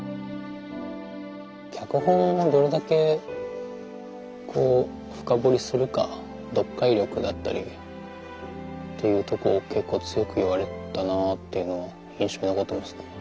脚本をどれだけ深掘りするか読解力だったりというとこを結構強く言われたなっていうのは印象に残ってますね。